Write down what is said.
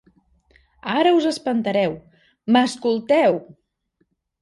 Ara us espantareu, m'escolteu!